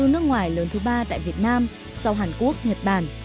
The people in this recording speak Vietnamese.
nước ngoài lớn thứ ba tại việt nam sau hàn quốc nhật bản